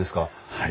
はい。